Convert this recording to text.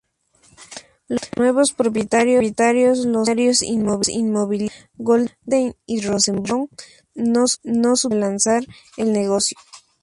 Los nuevos propietarios, los empresarios inmobiliarios Goldstein y Rosenbaum, no supieron relanzar el negocio.